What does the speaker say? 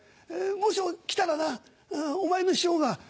もしも来たらなお前の師匠が。